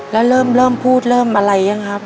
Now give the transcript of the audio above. แล้วเริ่มพูดเริ่มอะไรยังครับ